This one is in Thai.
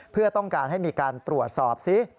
เพื่อต้องการให้มีการตรวจสอบซิ